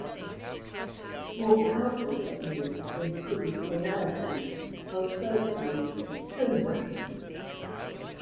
More powerful techniques for improving tonality are referred to as tone mapping.